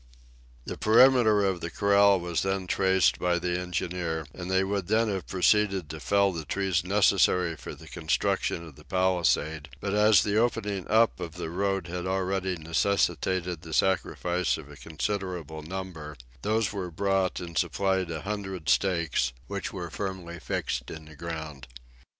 The perimeter of the corral was then traced by the engineer, and they would then have proceeded to fell the trees necessary for the construction of the palisade, but as the opening up of the road had already necessitated the sacrifice of a considerable number, those were brought and supplied a hundred stakes, which were firmly fixed in the ground.